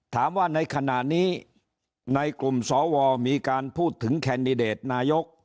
ถามว่าในขณะนี้ในกลุ่มสวมีการพูดถึงแคนดิเดตนายก